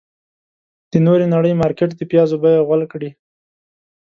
د نورې نړۍ مارکيټ د پيازو بيې غول کړې.